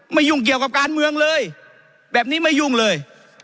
ยุ่งเกี่ยวกับการเมืองเลยแบบนี้ไม่ยุ่งเลย